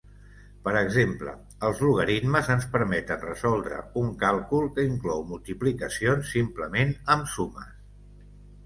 Per exemple, els logaritmes ens permeten resoldre un càlcul que inclou multiplicacions simplement amb sumes.